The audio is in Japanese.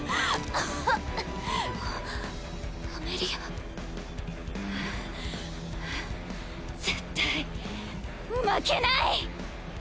アメリアはあはあ絶対負けない！